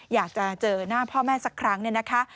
อยากจะเจอหน้าพ่อแม่สักครั้งเนี่ยนะคะ